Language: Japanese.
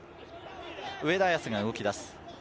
上田綺世が動きだす。